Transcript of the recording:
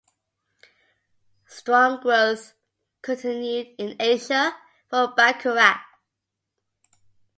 Strong growth continued in Asia for Baccarat.